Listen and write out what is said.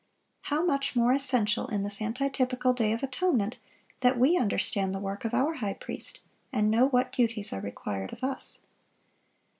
How much more essential in this antitypical day of atonement that we understand the work of our High Priest, and know what duties are required of us.